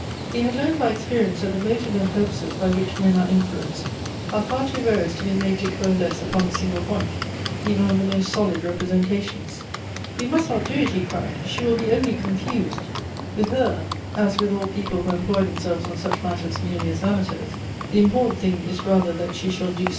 He had learned by experience that the motives and purposes by which men are influenced, are far too various to be made to coalesce upon a single point, even on the most solid representations. " We must not do it," he cried ;" she will be only confused. With her, as with all people who employ themselves on such matters merely as amateurs, the imjiortant thing is, rather that she shall do